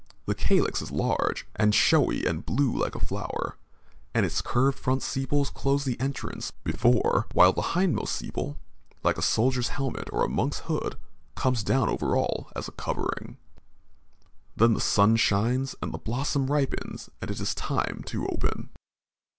The calyx is large and showy and blue like a flower, and its curved front sepals close the entrance before while the hindmost sepal, like a soldier's helmet, or a monk's hood, comes down over all as a covering. Then the sun shines and the blossom ripens and it is time to open.